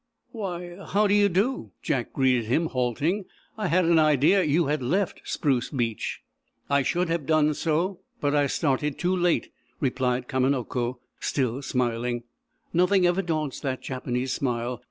"Why, how do you do?" Jack greeted him, halting. "I had an idea you had left Spruce Beach." "I should have done so, but I started too late," replied Kamanako, still smiling. Nothing ever daunts that Japanese smile.